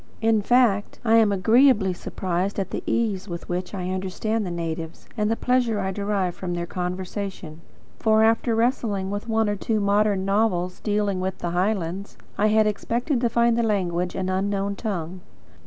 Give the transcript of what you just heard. In fact, I am agreeably surprised at the ease with which I understand the natives, and the pleasure I derive from their conversation; for, after wrestling with one or two modern novels dealing with the Highlands, I had expected to find the language an unknown tongue.